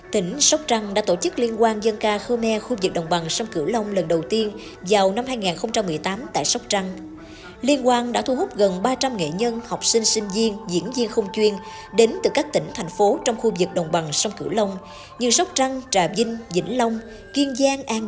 tỉnh sóc trăng đã tổ chức liên quan dân ca khmer khu vực đồng bằng sông cửa long